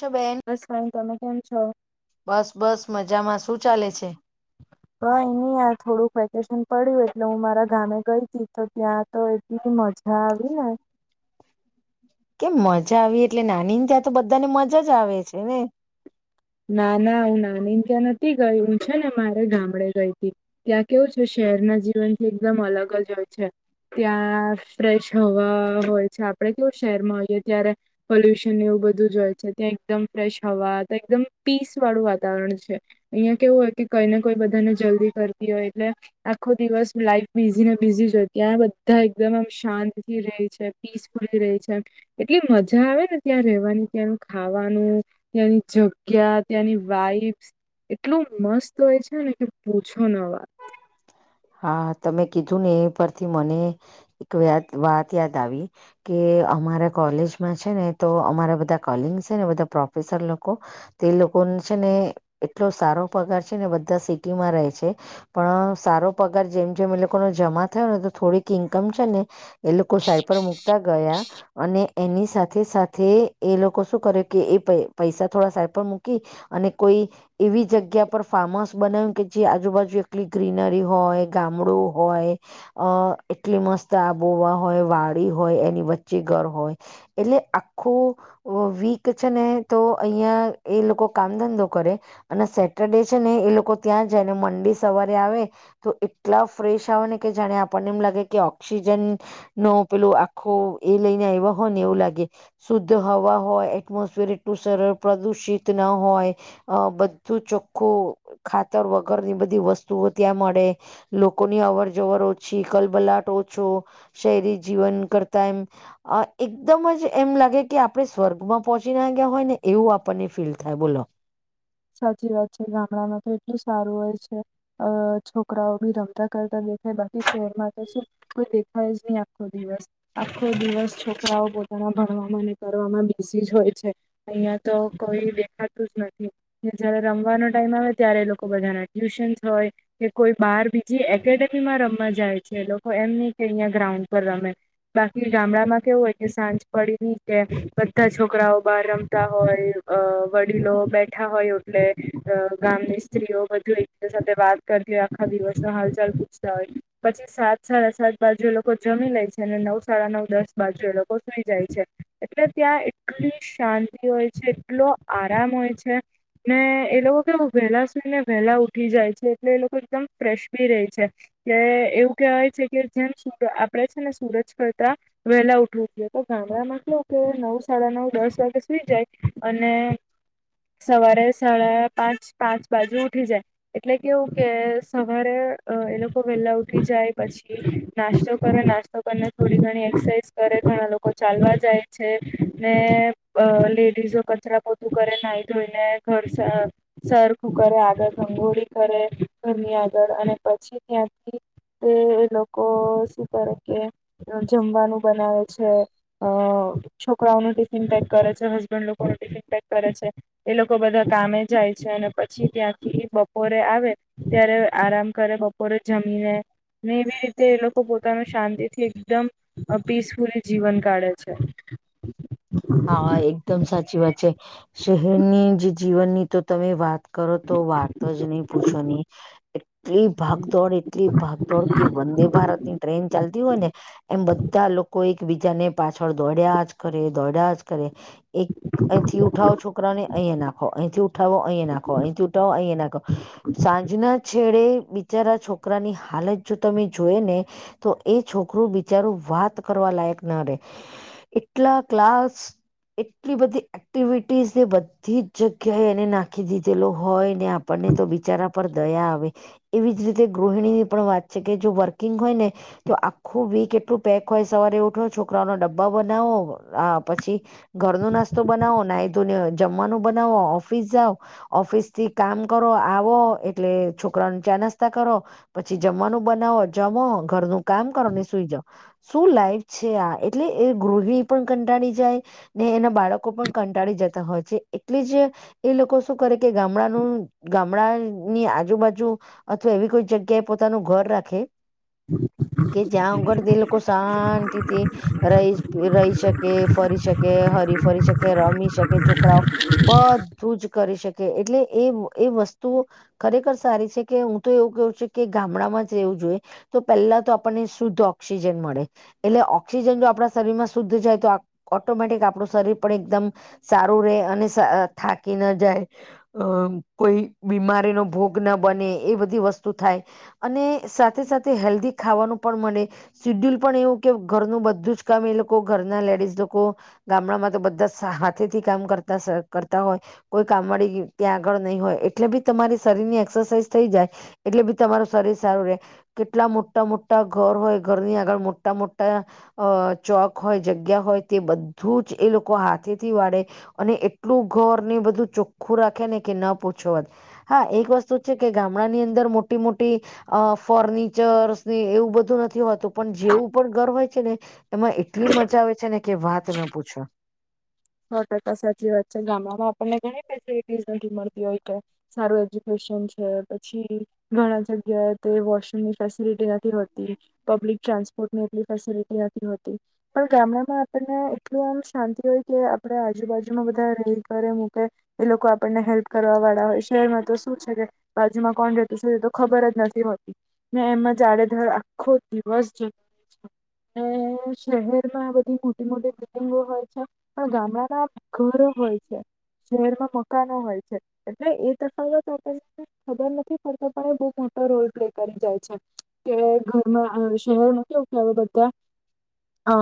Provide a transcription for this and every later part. Show બેન બસ fine તમે કેમ છો? બસ બસ મજામાં શું ચાલે છે? હ એ ન થોડુંક વેકેશન પડ્યું એટલે હું મારા ગામે ગઈ હતી તો ત્યાં તો એટલી મજા આવી ને કેમ મજા આવી એટલે નાની ને ત્યાં તો બધાને મજ આવે છે ને ના ના હું નાની ને ત્યાં નથી ગઈ હું છે ને મારે ગામડે ગઈ હતી. ત્યાં કેવું છે શહેરના જીવન થી એકદમ અલગ જ હોય છે. ત્યાં ફ્રેશ હવા હોય છે આપડે કેવું શહેરમાં આવીઈએ ત્યારે પોલ્યુશન એવું બધું જ હોય છે ત્યાં એકદમ ફ્રેશ હવા એકદમ પીસ વાળું વાતાવરણ છે અહિયાં કેવું હોય કે કઈને કોઈ બધાને જલ્દી કરતી હોય એટલે આખો દિવસ લાઈફ બિઝ ને બિઝી જો ત્યાં બધા એકદમ આમ શાંતથી રહી છે. પીસફુલ ર રહે છે. એટલે મજા આવે ને ત્યાં રવાની ત્યાંનું ખાવાનું ત્યાંની જ ક્યાં ત્યાંની વાઈફ્સ એટલું મસ્ત હોય છે ને કે પૂછો ન વાત હા તમે કીધું ને એ પરથી મને એક વ વાત યાદ આવી. કે અમારા કોલેજમાં છે ને તો અમારા બધા કલિંગ છે ને બધા પ્રોફેસર લોકો તે લોકો છે ને એટલો સારો પગાર છે ને બધા સિટીમાં રહે છે. પણ સારો પગાર જેમ જેમ એ લોકો ન જમા થયો ને તો થોડીક ઈન્કમ છે ને એ લોકો સાઈપર મુૂકતા ગયા. અને એની સાથે સાથે એ લોકો શું કર્યો કે એ પૈસા થોડા સાહે પર મૂકી અને કોઈ એવી જગ્યા પર ફાર્મ હાઉસ બનાવ્યું કે જે આજુબાજુ એકલી ગ્રીનરી હોય ગામડું હોય અ એટલી મસ્ત આબોવા હોય વાળ હોય એની વચ્ચે ઘર હોય એટલે આખું વીક છે ને તો અહિયાં એ લોકો કામ ધંધો કરે અને સેટરડે છે ને એ લોકો ત્યાં જાયને મંડે સવારે આવે તો એટલા ફ્રેશ આવે ને કે જાણે આપણને એમ લાગે કે ઓક્સિજન નો પેલું ખો એ લઈને આવ્યા હોય ને એવું લાગે શુદ્ધ હવા હોય એટમોસફિર એટલું સરળ પ્રદુષિત ના હોય. અ બધું ચોખ્ખું ખાતર વગર ની બધી વસ્તુઓ ત્યાં મળે લોકોની અવર જવર ઓછી કલબલાટ ઓછો શહેરી જીવન કરતા તાઈ અ એકદમ જ એમ લાગે કે આપણે સ્વર્ગમાં પહોંચી ના ગ્યા હોય ને એવું આપણને ફીલ થાય બોલો સાચી વાત છે ગામડામાં તો એટલું સારું હોય છે. અ છોકરાઓ ભી રમતા કરતા દેખાય બાકી શહેરમાં છે કોઈ દેખાય જ નહી આખો દિવસ આખો દિવસ છોકરાઓ પોતાના ભણવામાં અને કરવામાં બેસી જ હોય છે. અહિયાં તો કોઈ દેખાતું જ નથી. જયારે રમવાનો ટાઈમ આવે ત્યારે લોકો બધાના ટ્યુશન્સ હોય. કે કોઈ બાર બીજી એકેડેમી માં રમવા જાય છે લોકો એમ નહ કે અહિયાંયા ગ્રાઉન્ડ પર રમે બાકી ગામડા માં કેવું હોય કે સાંજ પડીની કે બધા છોકરાઓ બહાર રમતા હોય અ વડીલો બે ા હોય એટલે ગામની સ્ત્રીઓ બધુ એક સાથે વાત કરતી હોય આખા દિવસ હાલચાલ સરી પછી સાત સાડા સાત બાજુ એ લોકો જમી લે છે અને નવ સાડા નવ દસ બાજુ એ લોકો સુઈ જાય છે. એટલે ત્યાં એટલી શાંતિ હોય છે એટલો આરામ હોય છે. ને એ લોકો કે વહેલા સુઈને વહેલા ઉઠી જાય છે એટલે એ લોકો એકદમ પ્રેશી રહી છે કે એવું કહેવાય છે કે જેમ આપણેે છે ને સુરજ કરતા વહેલા ઉઠવું જોઈએ તો ગામડા માં કેવું કે નવ સાડા નવ દસ વાગે સુઈ જાય અને સવારે સાડા પાંચ પાંચ બાજુ ઉઠી જાય. એટલે કેવું કે સવારે એ લોકો વેહેલા ઉઠી જાય પછી નાસ્તો કરે નાસ્તો થોડી ઘણી એક્સરસાઇઝ કરે ઘણા લોકો ચાલવા જાય છે ને લેડીઝો કચરા પોતું કરે નાહી ધોઈને ઘર સરખું કરે આગળ અંગોળી કરે ઘરની આગળ અને પછી ત્યાંથી તે એ લોકો શું કરે કે જમવાનું બનાવે છે છે અ છોકરાઓ ન ટિફિન પેક કરે છે હસબેન્ડ લોકો ન ટિફિન પેક કરે છે એ લોકો બધા કામે જાય છે અને પછી ત્યાંથી બપોરે આવે ત્યારે આરામ કરે બપોરે જમીને એવી રીતે એ લોકો પોતાનું શાંતિ થી એકદમ પીસફુલી જીવન કાઢે છે હા એકદમ સાચી વાત છે શહેરની જે જીવનની તો તમે વાત કરો તો વાત જ નહી પૂછો નની એટલી ભાગદોડ એટલી ભાગદોડ કે વંદે ભારતની ટ્રેન ચાલતી હોય ને એમ બધા લોકો એકબીજા ને પાછળ દોડ્યા જ કરે દોડ્યા જ કરે એક અંથી ઉઠો છોકરા ને અહીં નાખો અંથી ઉઠાો અહીં નાખ અંથી ઉઠાો અહીં નાખો સાંજના છેડે બિચારા છોકરાની હાલત જો તમે જોય ને તો એ છોકરું બિચારું વાત કરવા લાયક ના રે એટલા ક્લાસ. એટલી બધી એક્ટિવિટીઝને બધી જ જગ્યાએ એને નાખી દીધેલો હોય. અને આપણને તો બિચારા પર દયા આવે. એવી જ રીતે ગૃહિણીની પણ વાત છે કે જો વર્કિંગ હોય ને. તો આખું બી કેટલું પેક હોય સવારે ઉઠી છ. છોકરા ન ડબ્બા બનાવો આ પછી ઘરનોો નાસ્તો બનાવો નહીં ધોઈને ને. જમવાનું બનાવો ઓફિસ જાઓ. ઓફિસ થી કામ કરો આવો એટલે છોકરા ન ચા નાસ્તા કરો. પછી જમવાનું બનાવો જમો ઘરનું કામ કરો ને સુઈ જાઓ શું લાઈફ છે આ. એટલે એ ગૃહિણી પણ કંટાળી જાય. ને એના બાળકો પણ કંટાળી જતા હોય છે એટલી જ. એ લોકો શું કરે કે ગામડાનું ગામડા ની આજુબાજુ. અથવા એવી કોઈ જગ્યાએ પોતાનું ઘર રાખે. કે જ્યાં આગળથી લોકો શાંતિથી. રહી રહી શકે ફરી શકે હરી ફરી શકે રમી શકે છોકરાઓ. બધું જ કરી શકે એટલે એ એ વસ્તુ. ખરેખર સારી છે કે હું તો એવું કું છું કે ગામડામાં જ રહેવું જોઈએ. તો પેલા તો આપણને શુદ્ધ ઓક્સિજન મળે એટલે ઓક્સિજન જો. આપણા શરીરમાં શુદ્ધ જાય તો ઓટોમેટિક આપણું શરીર પણ એકદમ. સારું રે અને થાકી ના જાય. અ કોઈ બીમારીનોો ભોગ ના બને એ બધી વસ્તુ થાય. અને સાથે સાથે હેલ્ધી ખાવાનું પણ મળે સીડ્યુલ પણ એવું કે ઘરનું બધું જ. કામ એ લોકો ઘરના લેડીઝ લોકો. ગામડામાં તો બધા હાથે થી કામ કરતા કરતા હોય. કોઈ કામડી ત્યાં આગળ નહી હોય એટલે બી તમારી શરીર ની એક્સરસાઇઝ થઈ જાય. એટલે બી તમારું શરીર સારું રહેે. કેટલા મોટા મોટા ઘર હોય ઘરની આગળ મોટા મોટા અ. ચોક હોય જગ્યા હોય તે બધું જ એ લોકો હાથેથી વાળે. અને એટલું ઘર ને બધું ચોખ્ખું રાખે ને કે ન પૂછો વાત હા એક વસ્તુ છે કે ગામડા ની અંદર મોટી મોટી. અ ફર્નિચર્ ને એવું બધું નથી હોતું પણ જેવું પણ ઘર હોય છે ને. એમાં એટલી મજા આવે છે ને કે વાત ના પૂછો. સો ટકા સાચી વાત છે ગામડામાં આપણને ઘણી ફેસિિટી નથી મળતી હોય કે. સારું એજ્યુકેશન છે પછી. ઘણા જગ્યાએ તે વોશરૂમ ની ફેસિલિટી નથી હોતી. પબ્લિક ટ્રાન્સપોર્ટની એટલી ફેસિલિટી હતી હતી. પણ ગામડામાં આપણને એટલું આમ શાંતિ હોય. કે આપડે આજુબાજુમાં બધા રે કરે મૂકે. એ લોકો આપણને હેલ્પ કરવા વાળા હોય શહેરમાં તો શું છે કે બાજુમાં કોણ રહેતું છે એ તો ખબર જ નથી હોતી. એમાં જાડેધર આખો દિવસ જરૂરી છે. ને શહેર માં આ બધી મોટી મોટી બિલ્ડિંગો હોય છે. પણ ગામડાના ઘરો હોય છે. શહેરમાં મકાનો હોય છે એટલે એ તફાવત તો આપે ખબર નથી પડતા પણ એ બહુ મોટો રોલ પ્લે કરી જાય છે. કે ઘરમાં આશરો નથી ઉઠાવે બધા. અ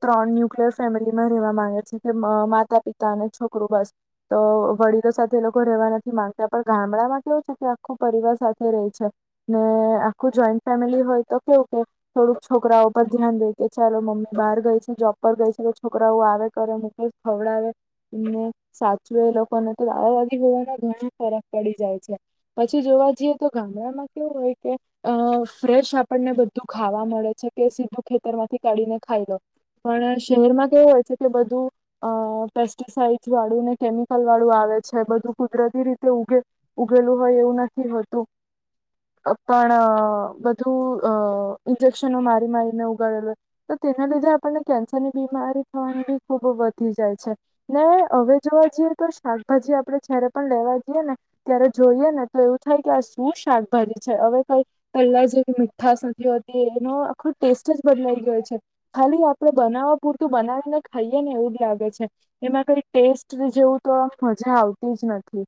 ત્રણ ન્યુક્લયર ફેમિલીમાં રહેવા માં પછી કે માતા પિતા અને છોકરુ બસ. તો વડીલો સાથે એ લોકો રેવા નથી માંગતા પણ ગામડામાં કેવું છે કે આખું પરિવાર સાથે રહે છે. ને આખું જોઈન્ટ ફેમિલી હોય તો કેવું કે થોડુંક છોકરાઓ પર ધ્યાન દે. કે ચાલો મમ્મી બહાર ગઈ છે જોબ પર ગઈ છે તો છોકરાઓ આવે કરે મૂકે કઈ ખવડાવે એને સાચવે એ લોકોને તો દાદા દાદી હોવાવાના ઘણ ફરક પડી જાય છે. પછી જોવા જઈએ તો ગામડામાં કેવું હોય કે અ ફ્રેશ આપણને બધું ખાવા મળે છે કે સીધું ખેતર માંથી કાઢીને ખાઈ લો પણ શહેર માં કેવું હોય છે કે બધું અ પેસ્ટીસાઈજ વાળું ને કેમિકલ વાળું આવે છે બધું કુદરતી રીતે ઉગે ઉગેલું હોય એવું નથી હોતું. પણ અ બધું અ ઇન્જેક્શનો મારી મારીને ઉગાડેલો તો તેના લીધે આપણને કેન્સર ની બીમારી થવાની બી ખુબ વધી જાય છે. ને અવે જોવા જઈએ તો શાકભાજી આપણેે જયારે પણ લેવા જઈએ ને ત્યારે જોઈએ ને તો એવું થાય કે આ શું શાકભાજી છે હવે કઈ પેલા જેવી મીઠાશ નથી હોતી એનો આખો ટેસ્ટ જ બદલાઈ ગયો છે. ખાલી આપડે બનાવવા પૂરતું બનાવીને ખાઈએ એવું ઉબ લાગે છે એમાં કઈ ટેસ્ટ જેવું તો મજા આવતી જ નથી.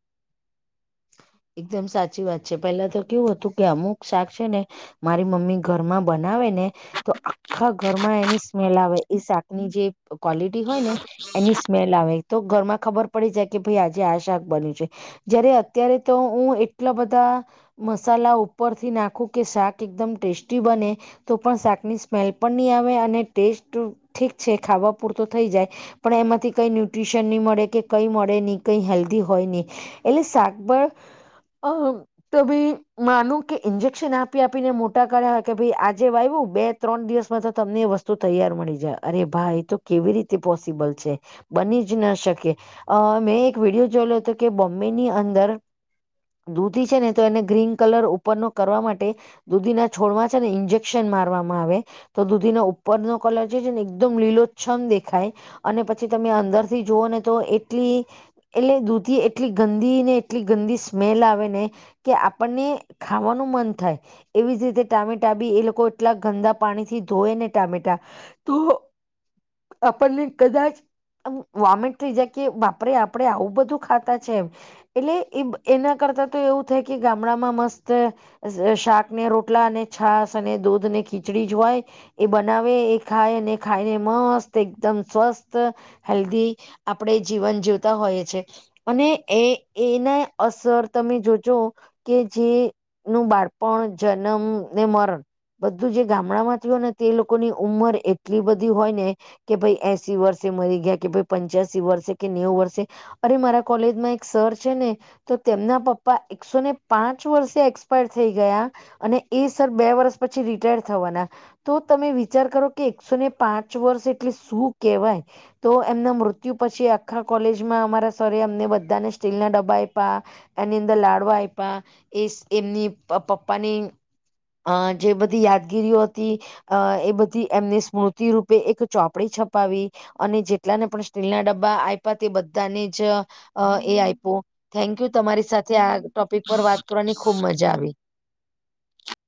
એકદમ સાચી વાત છે પહેલા તો કેવું હતું કે અમુક શાક છે ને મારી મમ્મી ઘરમાં બનાવે ને તો આખા ઘરમાં એની સ્મેલ આવે એ શાકની જે ક્વોલિટી હોય ને એની સ્મેલ આવે તો ઘરમાં ખબર પડી જાય કે ભાઈ આજે આ શાક બન્યું છે જયારે અત અત્યારે તો હું એટલા બધા મસાલા ઉપર થી નાખું કે શાક એકદમ ટેસ્ટી બને તો પણ શાકની સ્મેલ પણ ની આવે અને ટેસ્ટ ઠીક છે ખાવા પૂરતો થઈ જાય. પણ એમાંથી કઈ ન્યુટ્રીશન ની મળે કે કઈ મળે નહી કઈ હેલ્ધી હોય ની એટલે શાક બળ આમ તો ભાઈ માનું કે ઇન્જેક્શન આપી આપીને મોટા કર્યા હોય કે ભાઈ આજે આવ્યું બે ત્રણ દિવસમાં તો તમને એ વસ્તુ તૈયાર મળી જાય અરે ભાઈ એ તો કેવી રીતે પોસિબલ છે. બની જ ન શકે અ મેં એક વિડિયો જોયેલો હતો કે બોમ્બે ની અંદર [inaudible] દૂધી છે ને તો એને ગ્રીન કલર ઉપરનો કરવા માટે દૂધીના છોડમાં છે ને ઇન્જેક્શન મારવામાં આવે તો દૂધીનો ઉપરનો કલર છે જે એકદમ લીલોછમ દેખાય. અને પછી તમે અંદર થી જુઓ ને તો એટલી એટલે દૂધી એટલી ગંદી ને એટલી ગંદી સ્મેલ આવે ને કે આપણને ખાવાનું મન થાય. એવી જ રીતે ટામેટા બી એ લોકો એટલા ગંદા પાણી થી ધોય ને ટામેટા. તો આપણને કદાચ વોમિટ થઇ જાય કે બાપરે આપડે આવું બધું ખાતા છેમ એટલે એબ એના કરતા તો એવું થાય કે ગામડામાં મસ્ત રશાકને રોટલા અને છાસ અને દૂધ ને ખીચડી જ હોય એ બનાવે એ ખાય અને ખાઈને મસ્ત એકદમ સ્વસ્થ હેલ્દી આપડે જીવન જીવતા હોઈએ છે અને એ એને અસર તમે જોજો કે જે નું બાળપણ જનમ ને મરણ બધું જે ગામડા માંથી હોય ને તે લોકોની ઉંમર એટલી બધી હોય ને કે ભાઈ એસી વર્ષે મરી ગયા કે ભાઈ પંચ્યાસી વર્ષે કે નેવું વર્ષે અરે મારા કોલેજમાં એક સર છે ને તો તેમના પપ્પા એકસો ને પાંચ વર્ષે એક્સપાયર થઈ ગયા અને એ સર બે વર્ષ પછી રિટાયર થવાના તો તમે વિચાર કરો કે એકસો ને પાંચ વર્ષ એટલે શું કેહેવાય? તો એમના મૃત્યુ પછી આખા કોલેજમાં અમારા સરએ અમને બધાને સ્ટીલ ના ડબ્બા આયપા એની અંદર લાડુ આયપા એસ એમની પ પપ્પાની અ જે બધી યાદગીરીઓ હતી અ એ બધી એમને સ્મૃતિ રૂપે એક ચોપડી છપાવી અને જેટલાને પણ સ્ટીલ ના ડબ્બા આયપા તે બધાને જ એ આય પો થેન્ક યુ તમારી સાથે આ ટોપિક પર વાત કરવાની ખુબ મજા આવી.